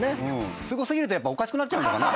すご過ぎるとやっぱおかしくなっちゃうのかな？